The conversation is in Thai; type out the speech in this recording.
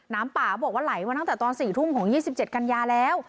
น้ำป่าบอกว่าไหลมาตั้งแต่ตอน๔ทุ่มของ๒๗กันยาแล้ว